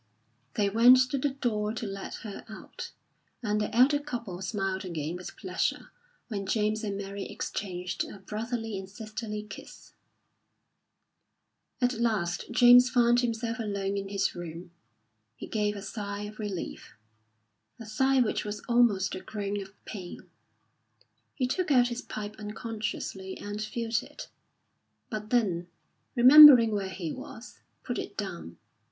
They went to the door to let her out, and the elder couple smiled again with pleasure when James and Mary exchanged a brotherly and sisterly kiss. At last James found himself alone in his room; he gave a sigh of relief a sigh which was almost a groan of pain. He took out his pipe unconsciously and filled it; but then, remembering where he was, put it down.